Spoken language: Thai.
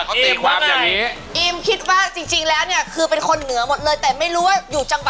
ที่เกิดที่เชียงใหม่แตะเลยเจ้า